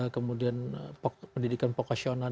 kemudian pendidikan pokosional